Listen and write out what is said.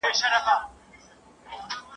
وئېل ئې د ساه ګانو جوارۍ وته حيران دي !.